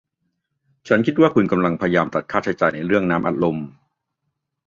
ฉันคิดว่าคุณกำลังพยายามตัดค่าใช้จ่ายเรื่องน้ำอัดลม